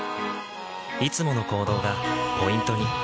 いつもの行動がポイントに。